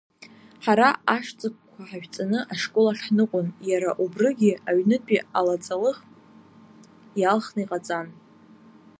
Ҳара аш ҵыкқәа ҳашәҵаны ашколахь ҳныҟәон, иара убрыгьы аҩнытәи алаҵалых иалхны иҟаҵан.